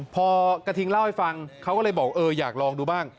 พอกระทิงเล่าให้ฟังเขาก็เลยบอกเอออยากลองดูบ้าง